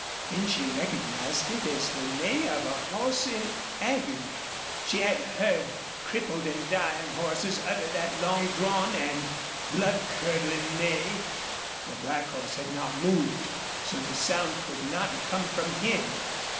Then she recognized it as the neigh of a horse in agony. She had heard crippled and dying horses utter that long drawn and blood curdling neigh. The black horse had not moved, so the sound could not have come from him.